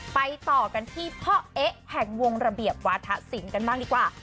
ไปต่อกันที่พ่อเอ๊ะแห่งวงระเบียบวาธศิลป์กันบ้างดีกว่า